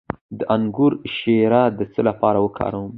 د انګور شیره د څه لپاره وکاروم؟